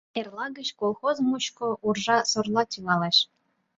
Эрла гыч колхоз мучко уржа-сорла тӱҥалеш.